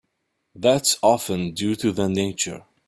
That's often due to their nature.